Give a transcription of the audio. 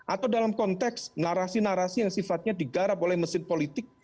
atau dalam konteks narasi narasi yang sifatnya digarap oleh mesin politik